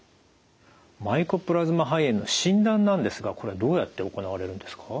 マイコプラズマ肺炎の診断なんですがこれどうやって行われるんですか？